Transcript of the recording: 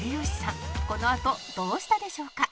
「このあとどうしたでしょうか？」